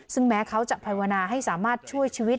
ซึ่งแม้เขาจะภาวนาให้สามารถช่วยชีวิต